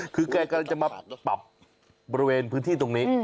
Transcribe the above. คือแกกำลังจะมาปรับบริเวณพื้นที่ตรงนี้